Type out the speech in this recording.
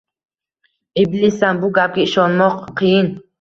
-Iblissan! Bu gapga ishonmoq qiyin!